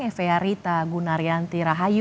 efe arita gunaryanti rahayu